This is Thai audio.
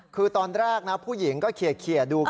คือตอนแรกนะผู้หญิงก็เขียดู